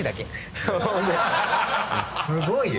すごいよ！